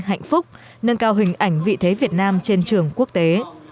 hạnh phúc nâng cao hình ảnh vị thế việt nam trên trường quốc tế